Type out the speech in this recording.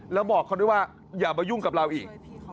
แล้วบอกเขาด้วยว่าอย่ามายุ่งกับเราอีก